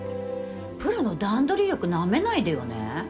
プロの段取り力なめないでよね